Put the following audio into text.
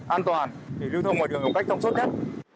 an toàn để lưu thông ngoài đường có cách thông suất nhất